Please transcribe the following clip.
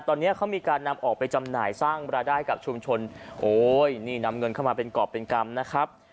ตอนนี้เขามีการนำออกไปจำหน่ายสร้างรายได้กับชุมชนโอ้ยนี่นำเงินเข้ามาเป็นกรอบเป็นกรรมนะครับ